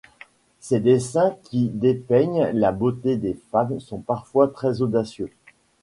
Ses dessins qui dépeignent la beauté des femmes sont parfois très audacieux.